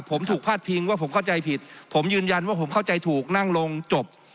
ผมถูกพาดพิงว่าผมเข้าใจผิดผมยืนยันว่าผมเข้าใจถูกนั่งลงจบ